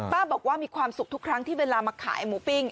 บอกว่ามีความสุขทุกครั้งที่เวลามาขายหมูปิ้ง